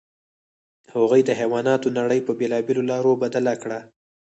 هغوی د حیواناتو نړۍ په بېلابېلو لارو بدل کړه.